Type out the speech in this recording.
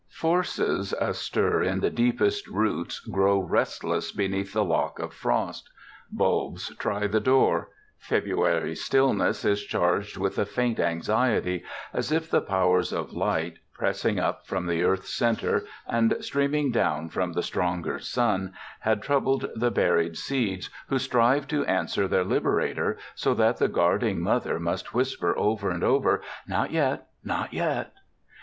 Forces astir in the deepest roots grow restless beneath the lock of frost. Bulbs try the door. February's stillness is charged with a faint anxiety, as if the powers of light, pressing up from the earth's center and streaming down from the stronger sun, had troubled the buried seeds, who strive to answer their liberator, so that the guarding mother must whisper over and over, "Not yet, not yet!"